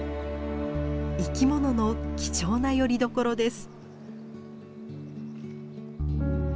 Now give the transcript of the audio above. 生き物の貴重なよりどころです。